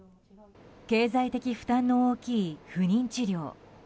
経済的負担の大きい不妊治療。